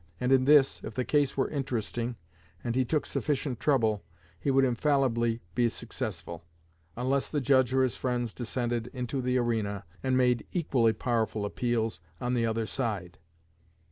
And in this, if the case were interesting, and he took sufficient trouble, he would infallibly be successful, unless the judge or his friends descended into the arena, and made equally powerful appeals on the other side.